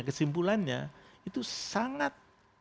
kesimpulannya itu sangat